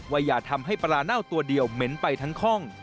อย่าทำให้ปลาเน่าตัวเดียวเหม็นไปทั้งห้อง